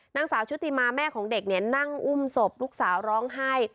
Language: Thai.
ชุติมาแม่ของเด็กเนี่ยนั่งอุ้มศพลูกสาวร้องไห้